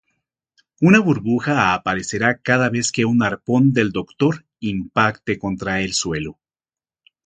Una burbuja aparecerá cada vez que un arpón del Doctor impacte contra el suelo.